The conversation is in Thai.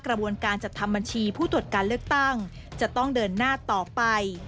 กระบวนการจัดทำบัญชีผู้ตรวจการเลือกตั้งจะต้องเดินหน้าต่อไป